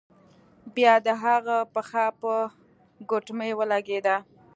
بیا د هغه پښه په ګوتمۍ ولګیده.